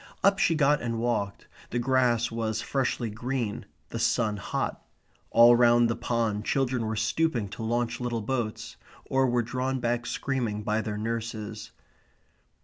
Up she got and walked. The grass was freshly green; the sun hot. All round the pond children were stooping to launch little boats; or were drawn back screaming by their nurses.